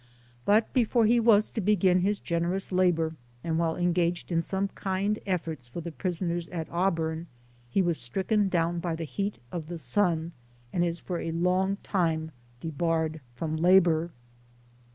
But before he was to begin his generous labor, and while engaged in some kind efforts for the prisoners at Auburn, he was stricken down by the heat of the sun, and is for a long time debarred from labor.